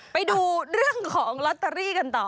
ไปดูเรื่องของลอตเตอรี่กันต่อ